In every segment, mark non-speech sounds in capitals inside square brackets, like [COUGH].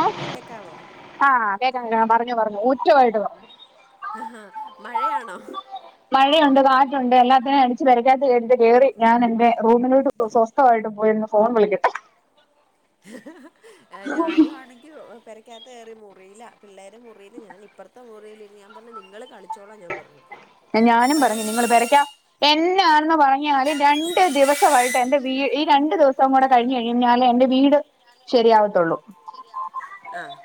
ആഹ് കേക്കാവോ ആഹ് കേക്കാ പറഞ്ഞു പറഞ്ഞു ഉറ്റമായിട്ട് പറഞ്ഞു അ ഹാ മഴയാണോ? മഴയുണ്ട് കാ റ്റുണ്ട് എല്ലാത്തിനും അടിച്ചു പെരക്കാത്ത് എന്റെ കയറി ഞാൻ എന്റെ റൂമിലോട്ട് സ്വസ്ഥമായിട്ട് പോയിര്ന്നു ഫോൺ വളിക്ക ഞാനും ആണെങ്കി പെരെ പിക്കാത്ത കയറി മുറില്ല പിള്ളേരു മുറിയിൽ ഞാൻ ഇപ്പറത്തെ മുറിൽ ഞാൻ പറഞ്ഞു നിങ്ങള് കളിച്ചോളാൻ ഞാൻ പറഞ്ഞു ഞാനും പറഞ്ഞു നിങ്ങൾ ഭയങ്കര പെരയ്ക്ക എന്നാണെന്ന് പറഞ്ഞാല് രണ്ട് ദിവസവാ എന്റെ വീ ഈ രണ്ട് ദിവസം കൂടെ കഴിഞ്ഞു കഴിഞ്ഞാലേ എന്റെ വീട് ശരിയാവത്തുള്ളൂ ശരിയാവതുള്ളൂ ആഹ്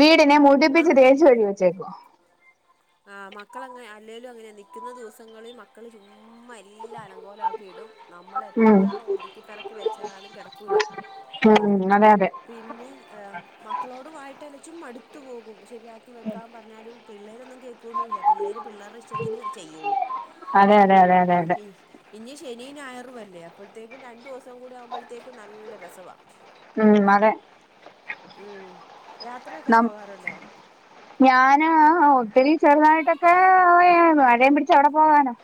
വീടിനെ മുടിപ്പിച്ച് തേച്ചു കഴികി വെച്ചേക്കുവ ആഹ് മക്കളങ്ങനെ അല്ലേലും അങ്ങനെയാ നൽക്കുന്ന ദിവസങ്ങളിൽ മക്കള് ചുമ്മാ എല്ലാം അലങ്കോലക്കി ഇടും നമ്മള് ഉം എത്ര ഒതുക്കിപ്പെറക്കി വെച്ചാലും കിടക്കൂല്ല ആഹ് അതെ അതെ പിന്നെ മക്കളോട് വായിട്ട അലച്ചും മടുത്തു പോകും ശരിയാക്കി വെക്കാൻ പറഞ്ഞാലും പിള്ളേരൊന്നും കേൾക്കുവൊന്നുല്ല പിള്ളേര് പിള്ളേര്ടെ ഇഷ്ടത്തിന് ചെയ്യുള്ളൂ അതെ അതെ അതെ അതെ അതെ ഇനി ശനി ഞയറു ല്ലേ അപ്പോഴത്തേക്കും രണ്ടു ദിവസം കൂടി ആവുമ്പോഴത്തേക്കും നല്ല രസവ ഉം അതെ ഉം യാത്രയൊക്കെ നം പോകാറുണ്ടോ? ഞാന് ഒത്തിരി ചെറുതായിട്ടൊക്കെ മഴേം പിടിച്ച എവിടെ പോകാനോ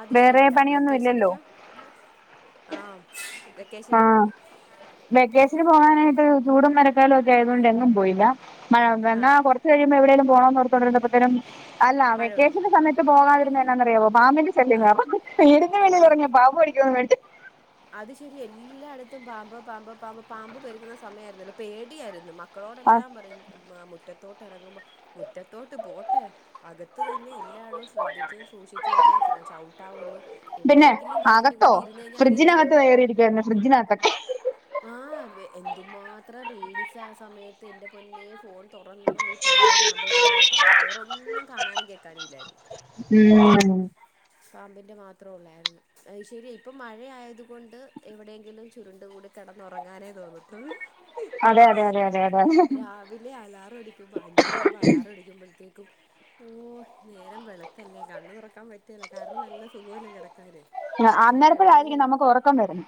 അത് വേറെ ശരിയാ പണിയൊന്നും ഇല്ലല്ലോ വെക്കേഷനിക്കോ ആഹ് വെക്കേഷനോ ആഹ് വെക്കേഷന് പോകാനായിട്ട് ചൂടും മരക്കാലും ഒക്കെ ആയതുകൊണ്ട് എങ്ങും പോയില്ല എന്നാ ആഹ് കുറ കഴിമ്പം എവിടെ ങ്കില പോണന്നോർത്തോണ്ട് ഇരുന്നോത്തരം അല്ല മഴ പെയ്തു വെക്കേഷന്റെ സമയത്ത് പോകാതിരുന്ന എന്നാന്നറിയാവോ പാമ്പിന്റെ ശല്യങ്ങളാ ആഹ് വീട് ആഹ് വെളിയിലിറങ്ങിയ പാമ്പ് കടിക്കൊന്നു പേടിച്ച് അത് ശരി എല്ലായിടത്തും പാമ്പ് പാമ്പ് പാമ്പ് പാമ്പ് പെരുക്കുന്ന സമയമായിരുന്നല്ലോ പേടിയായിരുന്നു ആഹ് ക്കളോടെല്ലാം പറയും മുറ്റത്തോട്ട് ഇറങ്ങുമ്പോ മുറ്റത്തോട്ട് പോട്ടെ അകത്ത് തന്നെ എല്ലാടും ശ്രദ്ധിച്ചും സൂക്ഷിച്ചും ഒക്കെ ചവിട്ടാവുള്ളൂ എവിടെയങ്കിലും വളഞ്ഞുകൂടി ഇര്ന്ന് കഴഞ്ഞാ അറിയ [UNINTELLIGIBLE] ഫ്രഡ്ജിനകത്തക്കെ ആഹ് എന്തുമാത്രം റീൽസ് ആ സമയത്ത് എന്റെ പൊന്നെ ഫോൺ തുറന്ന ഈ പാമ്പ് പാമ്പ് പാമ്പ് പാമ്പ് വേറൊന്നും കാണാനും കേൾക്കാനും ഇല്ലായിരുന്നു ഉം പാമ്പിന്റെ മാത്രം ഉള്ളായിരുന്നു അശരി ഇപ്പം മഴയതുക കൊണ്ട് എവിടെയെങ്കിലും ചുരുണ്ട് കൂടി കടന്നുറങ്ങാനേ തോന്നത്തുള്ളൂ അതെ അതെ അതെ ര അതെ അതെ രാ വിലെ അലാറ അടിക്കുമ്പോ അഞ്ചര ആകുമ്പോ അലാറ അടിക്കുമ്പോഴത്തേക്കും ഓ നേരം വെളുത്തല്ലേ കണ്ണ് തുറക്കാൻ പറ്റല്ല കാരണം നല്ല സുഖവല്ലേ കിടക്കാന് പക്ഷേ കിടന്ന് അന്നേരപ്പോഴായിരിക്കും കഴി നമുക്ക് ഉറക്കം വരും.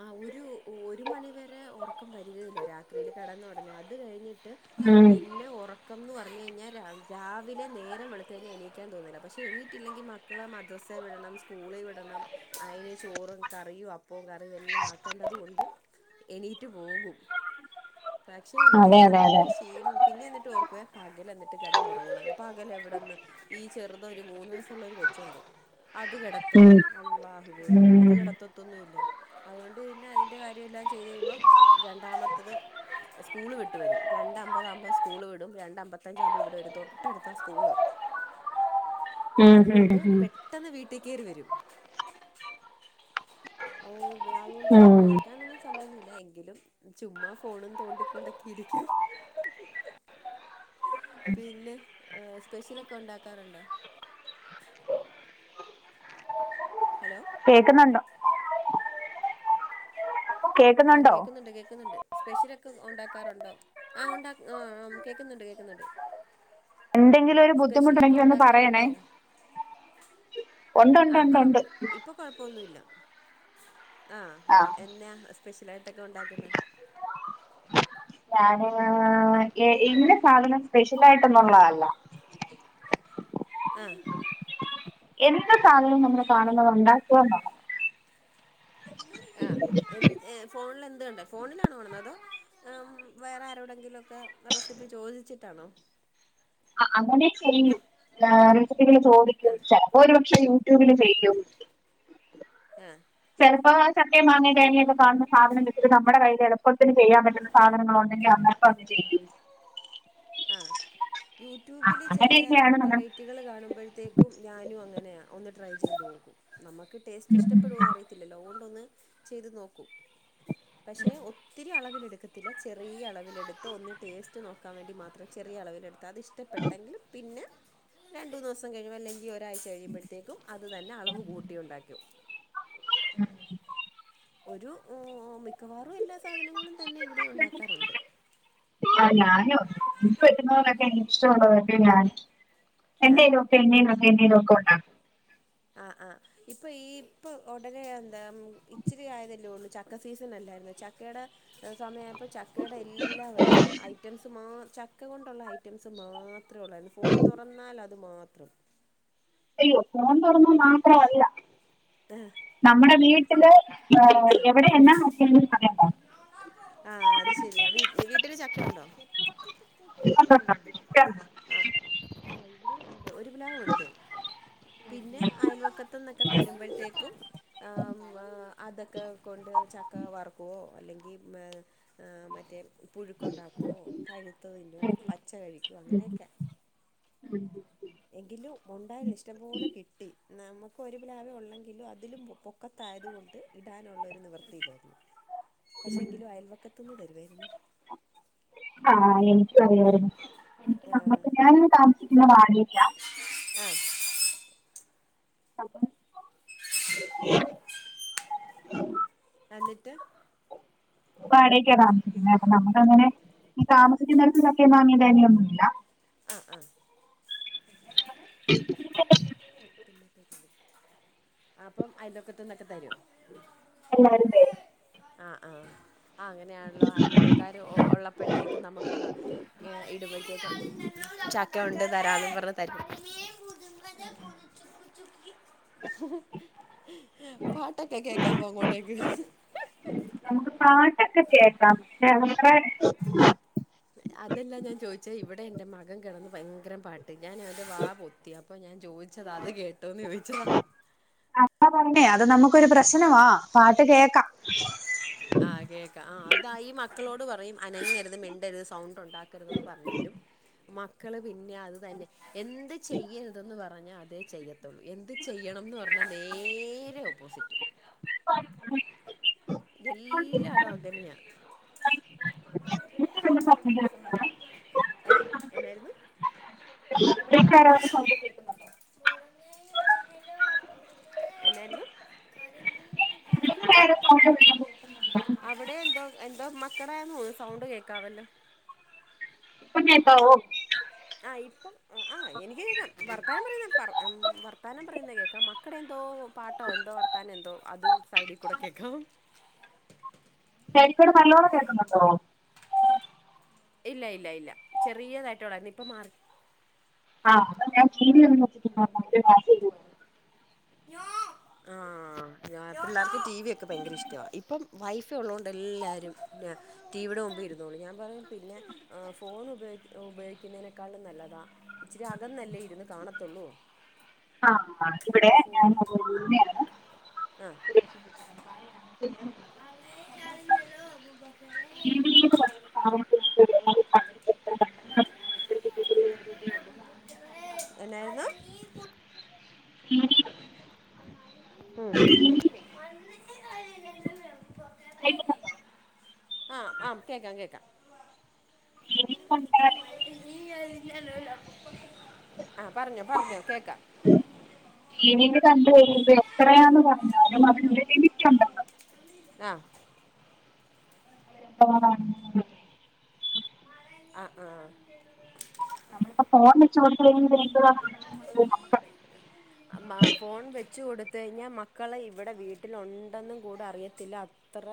ആ ഒരു ഒരു മണിവരെ ഉറക്കം വരികല്ല രാത്രിൽ കിടന്ന തുടങ്ങ അത് കഴിഞ്ഞി ട്ട് ഉം പിന്നെ ഒറ ക്കംന്ന് പറഞ്ഞു കഴിഞ്ഞൽ രാ രാവിലെ നേരം വെളുത്തു കഴിഞ്ഞാൽ എണീക്കാൻ തോന്നുന്നില്ല പക്ഷ എണീയിട്ടില്ലെങ്കിൽ മ കളെ മദ്രസയെ വിടണം സ്കൂളി വിടണം. അയി ചോറും കറിയും അപ്പവും കറിയും എല്ലാം ആക്കേണ്ടതും ഉൻ ഡ് എണീറ്റ് പോകും പക്ഷെ അതെ എങ്കിലും അതെ നമുക്ക അതെ ക്ഷീണം പിന്നെ എന്നിട്ട് ഓർക്കുവെ പകൽ എന്നിട്ട് കിടന്നറങ്ങണം പകൽ എവിടെന്ന് ഈ ചെറുതൊരു ഒരു മൂന്ന് വയസ്സുള്ള ഒരു കൊ ചുണ്ട് അത് കെട ഉം തുവാ അല്ലാഹുവേ ഉം അത് കെടത്തേതോന്നുവില്ല അതുകൊണ്ട്ന്നെ. ന്റെ കാര്യമെല്ലാം ചെയ്ത് കഴിയുമ്പോ രണ്ടാമത്തത്. സ്കൂള് വിട്ട് വരും രണ്ട് അമ്പത് അകുമ്പോൾ സ്കൂള് വിടും രണ്ട് അമ്പത്തഞ്ചാകുമ്പോ ഇവിടെ വരും തൊട്ടടുത്ത സ്കൂള്. [INAUDIBLE] ഉം ഉം അതുകൊണ്ട് ഉം പെട്ടെന്ന് വീട്ടി കയറി വരും ഹോം ബ്രാവോണ്ട് ഉം കെടക്കാനെന്നും സമായൊന്നുല്ല എങ്കിലും ചുമ്മാ ഫോണും തോണ്ടിക്കൊണ്ടൊക്കെ ഇരിക്കും ഹ്ഹ്. പിന്നെ സ്പെഷ്യലൊക്കെ ഉണ്ടാക്കാറുണ്ടോ? ഹലോ. കേൾക്കുന്നുണ്ട്. കേൾക്കുന്നുണ്ടോ അ കേക്കുന്നുണ്ടോ കേൾക്കുന്നുണ്ട് കേൾക്കുന്നുണ്ട്. സ്പെഷ്യലൊക്കെ ഉണ്ടാക്കാറുണ്ടോ ആ ഉണ്ടാക്ക ആ കേൾക്കുന്നുണ്ട് കേൾക്കുന്നുണ്ട് ഇണ്ടെങ്കി ഒരു സ്പെഷ്യലൊക്കെ ബുദ്ധിമുട്ടണ്ടെങ്കി ഒന്ന് പറയണേ ഉണ്ടാക്കാറുണ്ടോ ഉണ്ട്ണ്ട് ഉണ്ട് ഉണ്ട് ഇപ്പൊ കുഴപ്പൊന്നുല്ലാ ആ ആഹ് എന്നെയാ സ്പെഷ്യലായിട്ടൊക്കെ ഉണ്ടാക്കുന്നെ. ഞാന് എങ്ങനെ സാധനം സ്പെഷ്യൽ ആയിട്ടൊന്നുള്ളതല്ല. ആ. എന്ത് സാധനവും നമ്മൾ കാണുന്നത് ഉണ്ടാക്കേം വേണം. ആ എ‌ ഫോണിൽ എന്ത് കണ്ട ഫോണിലാണോ ഉള്ളത്. മ് വേറെ ആരോടെങ്കിലുമൊക്കെ റെസിപ്പി ചോദിച്ചിട്ടാണോ? അ അങ്ങനെ ചെയ്യും ഏ റെസിപ്പികൾ ചോദിക്കും ആ ചിലപ്പോൾ ഒരു പക്ഷെ യൂട്യൂബില് ചെയ്യും. ആഹ് ചെലപ്പോ സത്യം മാങ്ങാ തേങ്ങ കാണുന്ന സാധനം വെ ഇത് നമ്മുടെ കയ്യിൽ എളുപ്പത്തിന് ചെയ്യാൻ പറ്റുന്ന സാധനങ്ങൾ ഉണ്ടെങ്കിൽ അന്നപ്പം അത് ചെയ്യും ആ യൂട്യൂബിൽ ചെലെ അങ്ങനെയൊക്കെയാണ് നമ്മൾ വെറൈ കുട്ടികൾ കാണുമ്പോഴത്തേക്കും ഞാനും അങ്ങനെയാ ഒന്ന് ട്രൈ ചെയ്ത് നോക്കും നമുക്ക് ടേസ്റ്റ് ഇഷ്ടപ്പെടുവോന്നുറി ത്തില്ലല്ലോ ഓണ്ടൊന്ന് ചെയ്ത് നോക്കു. പക്ഷെ ഒത്തിരി അളവിലെടുക്കത്തില്ല ചെറിയ അളവിലെടുത്ത് ഒന്ന് ടേസ്റ്റ് നോക്കാൻ വേണ്ടി മാ ചെറിയ അളവില് എടുത്ത് അത് ഇഷ്ടപ്പെട്ടെങ്കിൽ പിന്നെ രണ്ട് മൂന്ന് ദിവസം കഴിയും അല്ലെങ്കിൽ ഒരാഴ്ച കഴിയുമ്പോഴത്തേക്കും അത് തന്നെ അളവ് കൂട്ടി ഉണ്ടാക്കും. ഒരു ഊ മിക്കവാറു എല്ലാ സാധനങ്ങളും തന്നെ ഇവിടെ ഉണ്ടാക്കാറുണ്ട് ആ ഞാനും എനിക്ക് പറ്റുന്നത് പോലെ ഒക്കെ എനിക് ഇഷ്ടമുള്ളതൊക്കെ ഞാൻ ആഹ് എന്തെയു തേങ്ങേണോ തേങ്ങേണോ കോട്ട ആ ആ. ഇപ്പൊ ഈ ഇപ്പൊ ഉടനെ എന്താ ഇച്ചിരി ആയതെല്ലേ ഉള്ളു ചക്ക സീസൺ അല്ലായിരുന്നു ചക്കയുടെ സമയയപ്പോ ചക്കേടെ എല്ലാ വരുന്നു ഐറ്റംസ് മാ ചക്ക കൊണ്ടുള്ള ഐറ്റംസ് മാ ത്രയേ ഉള്ളായിരുന്നു ഫോൺ തുറന്നാൽ അത് മാത്രം. അയ്യോ ഫോൺ തുറന്ന മാത്രവല്ല ആഹ് നമ്മുടെ വീട്ടില് ഏ ആഹ് എവിടെ എന്നാ നോക്കിയാലും അതന്നെ ആ അത് ശെരിയാ വീ വീട്ടില് ചക്ക ഉണ്ടോ? [UNINTELLIGIBLE] ആ- ആ ഇവിടെയും ഉണ്ട് ഒരു പ്ലാവ് ഉണ്ട് പിന്നെ അയൽവക്കത്ത നിന്നൊക്കെ തരുമ്പോ ആ- അതൊക്കെ കൊണ്ട് ചക്ക വറക്കുവോ അല്ലെങ്കി മറ്റേ പുഴുക്കുണ്ടാക്കുവോ- പഴുത്തത് തിന്നുവോ പച്ച കഴിക്കോ അങ്ങനെയൊക്കെ [INAUDIBLE] എങ്കിലും ഉണ്ടായൽ ഇഷ്ടംപോലെ കിട്ടി- നമുക്ക് ഒരു പ്ലാവേ ഉള്ളെങ്കിലും അതിലും [UNINTELLIGIBLE] ത്തായതു കൊണ്ട് ഇടാനുള്ള ഒരു നിവൃത്തില്ലായിരുന്നു പക്ഷെങ്കിലും അയൽവക്കത്തന്ന് തരുവായിരുന്നു ആഹ് എനിക്കും അങ്ങനെയായിരുന്നു വാടകയ്ക്കാ ആഹ് [UNINTELLIGIBLE] എന്നിട്ട് വാടകക്കാ താമസിക്കുന്ന് അപ്പൊ നമുക്ക് അങ്ങനെ ഈ ആഹ് താമസിക്കുന്നടത്ത് ചക്കിം മാങ്ങേ തേങ്ങയൊന്നുല്ല ആഹ് ആഹ് കു ക് അപ്പം അയിലോക്കത്ത്ന്നൊക്കെ തരും എല്ലാരും തരും ആഹ് ആഹ് അങ്ങനെയാണല്ലോ അയലൊക്കെക്കാർ ഉള്ളപ്പോഴത്തേക്കും നമക്ക് ഈ ഇടുമ്പോക്കെക്കെ ചക്കയുണ്ട് തരാന്നും പറഞ്ഞ് തരും പാട്ടൊക്കെ കേക്കാവോ അങ്ങോട്ടേക്ക് നമുക്ക് പാട്ടൊക്കെ കേക്കാം പക്ഷെ നമ്മടെ അതെല്ലാ ഞാൻ ചോദിചെ ഇവിടെ എൻ്റെ മകൻ കിടന്ന് ഭയങ്കര പാട്ട് ഞാൻ അവൻ്റെ വാ പൊത്തി അപ്പൊ ഞാൻ ചോദിച്ചതാത് കേട്ടോന്ന് ചോദിച്ചതാ അതാ പറഞ്ഞെ അത് നമുക്കൊരു പ്രശ്നവാ പാട്ട് കേക്കാം ആ കേക്ക, ആ അതായി മക്കളോട് പറയും അനങ്ങരുത് മിണ്ടരുത് സൗണ്ട് ഉണ്ട് ഉണ്ടാക്കരുതെന്ന് പറഞ്ഞാലും മക്കള് പിന്നെ അത് തന്നെ എന്ത് ചെയ്യരുതെന്ന് പറ ഞ്ഞാ അതേ ചെയ്യത്തുള്ളൂ എന്ത് ചെയ്യണംന്ന് പറഞ്ഞാൽ നേരെ ഓപ്പോസിറ്റ് എല്ലാടോ അങ്ങനെയാ അതന്നേ സപ്പ [UNINTELLIGIBLE] ഏഹ് എന്നായിരുന്നു വിക്കാരോന്ന് സൗണ്ട് കേട്ടു എന്നായിരുന്നു ഇങ്ങൾ വേറെ സൗണ്ട് വെക്കല്ലേ അവിടെ എന്തോ എന്തോ മക്കടെന്നു സൗണ്ട് കേക്കാവല്ലോ പ്പൊ കേക്കാവോ ആ ഇപ്പം അ ആ എനിക്ക് കേക്കാം വർത്താനം പറയുന്ന പറ ഉം വർത്താനം പറയുന്നത് കേക്കാം മ മക്കടെന്തോ പാട്ടോ എന്തോ വർത്താനം എന്തോ അതും സൈഡികൂടെ കേക്കാം സൈഡ്ക്കൂടെ നല്ലോണം കേക്കുന്നുണ്ടോ ഇല്ല ഇല്ല ഇല്ല ചെറിയതായിട്ട് ഒള്ളായിരുന്നു ഇപ്പം മാറി ആ അതാ ഞാൻ ടി വി ഒന്നും വെച്ചട്ടില്ല [INAUDIBLE] ആ ഞ പിള്ളേർക്ക് ടി വി ഒക്കെ ഭയങ്കര ഇഷ്ടവാ ഇപ്പം വൈഫ് ഉള്ളോണ്ട് എല്ലാരുംന്നെ ടിവിയുടെ മുമ്പ് ഇരുന്നോളും ഞാൻ പറയും പിന്നെ ആ ഫോൺ ഉപയോഗി ഉപയോഗിക്കുന്നതിനേക്കാളും നല്ലതാ ഇച്ചിരി അകന്നല്ലേ ഇര്ന്ന് കാണത്തുള്ളൂ ആ മ്മാണ് ഫോണ്ക് ആഹ് അണഞ്ഞല്ലോ അബൂബക്കറേ ടി വി [UNINTELLIGIBLE] എന്നായിരുന്നു ഉം [UNINTELLIGIBLE] കേക്ക്ണ്ടാ ആ ആം കേക്കാം കേക്കാം. ടി വി കണ്ടാൽ ആഹ് പറഞ്ഞോ പറഞ്ഞോ കേക്ക ടി വി ല് കണ്ടുകഴിയുമ്പോ എത്രയാന്ന് പറഞ്ഞാലും അവന് ടി വി ആഹ് [INAUDIBLE] ആ ആഹ് ആ ഫോണ് വെച്ച് കൊടുക്കെന് ഭഗത്തെ ചുക്കിട്ടുണ്ട് മാ ഫോൺ വെച്ച് കൊടുത്ത് കഴിഞ്ഞാ മക്കളെ ഇവിടെ വീട്ടിലുണ്ടെന്നും കൂടെ അറിയത്തില്ല ത്ര..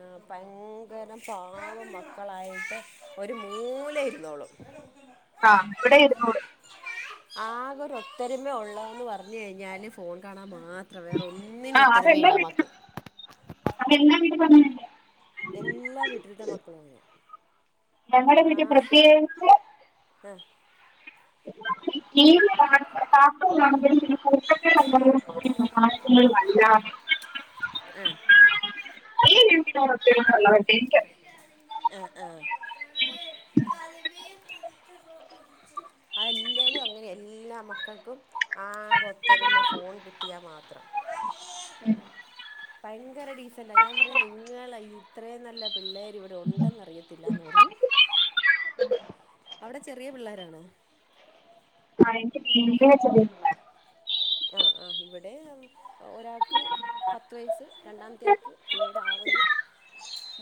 ആ ഭയങ്കരം പാവം മക്കളായിട്ട് ഒരു മൂലെ ഇരുന്നോളു. ആ ഇവിടൊയിരുന്നോളും. ആകെ ഒരുത്തൊരുമ ഉള്ളതെന്ന് പറഞ്ഞഞ് കഴിഞ്ഞാൽ ഫോൺ കാണാൻ മാ അത്ര വേറെ ഒന്നിനും ആ അതെല്ലാ ഒത്തരമയില്ല മക്കൾ. വീട്ടിലും അതെല്ലാ വീട്ടിലും അങ്ങനെ എല്ലാ വീട്ടിൽത്ത മക്കളും അങ്ങനെയ. ഞങ്ങടെ വീട്ടിൽ പ്രത്തേകിച് അ ടീവി കാണുമ്പയും കാർട്ടൂൺ കാണുമ്പയും. ഫോൺ.. അല്ലാതെ ഏ [UNINTELLIGIBLE] [INAUDIBLE] ഏൻ എ നോത്തില്ല വട്ട എക്ക് [UNINTELLIGIBLE] ആ ആ അല്ലേരും അങ്ങനെ എല്ലാ മക്കൾക്കും.. ആക ഒത്തൊരുമ ഫോൺ കിട്ടിയാമാത്രം. ഉം ഭയങ്കര ഡീസന്റാ ഞാൻ പറയു നിങ്ങൾ ഇത്രയും നല്ല പിള്ളേർ ഇവിടെ ഉണ്ടെന്ന് അറിയത്തില്ലാന്ന് പറയും. അവിടെ ചെറിയ പിള്ളോരാണോ? [UNINTELLIGIBLE] ആഹ് ആഹ് ഇവിടെ ഒരാക്ക്.. പത്ത് വയസ്സ് രണ്ടാമത്തെയാക്ക് ഏഴാവെന്ന്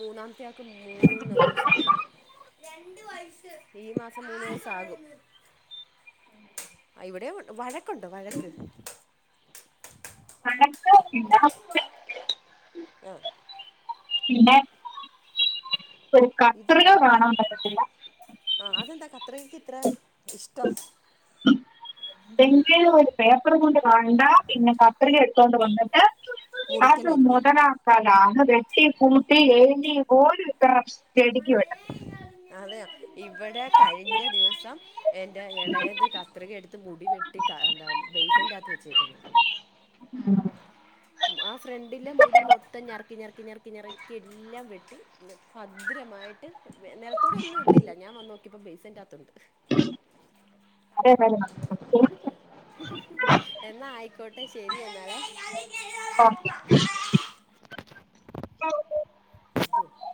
മൂന്നാമത്തെ ആക്ക് മൂന്ന് വയസ്സാകുന്നു. ഈ മാസം മൂന്ന് വയസ്സാകും. ഇവിടെ ണ്ട് വഴക്കുണ്ടോ വഴക്ക് വഴക്ക് [UNINTELLIGIBLE] ആ പിന്നെ ഇത് [UNINTELLIGIBLE] ആ അതെന്താ കത്രികക്ക് ഇത്ര ഇഷ്ടം. പേപ്പറും കൊണ്ട് വേണ്ട പിന്നെ കത്രിക എടുത്തുണ്ട് വന്നിട്ട്.. അത് മുറിക്കലായിരിക്കും മൊദലകാനാ അത് വെട്ടി കൂട്ടി എയുതി ഓരു.. ഇടുക്കി വെട്ട അതെയ ഇവിടെ കഴിഞ്ഞ ദിവസം എന്റെ ഇളയത് ക കത്രിക എടുത്ത് മുടി വെട്ടിക എന്താ ബേസ്ന്റെകത്ത് വെച്ചേക്കന്നു ഉം ആ ഫ്രണ്ടിലെ മുടി മൊത്തം ഞറക്കി ഞറക്കി ഞറക്കിറക്കി എല്ലാം വെട്ടി ബദ്രമായിട്ട് നിലത്തൂടെ ഒന്നും ഇട്ടില്ല ഞാൻ വന്ന് നോക്കിപ്പം ബേസെന്റ്കത്തുണ്ട്. അതെ [UNINTELLIGIBLE] എന്നാ ആയിക്കോട്ടെ ശരി എന്നാലെ ഓക്കേ [UNINTELLIGIBLE]